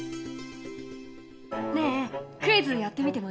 ねえクイズやってみてもいい？